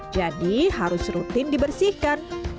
jadi harus rutin dibersihkan